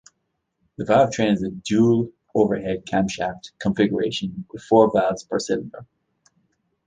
The valve train is a dual overhead camshaft configuration with four valves per cylinder.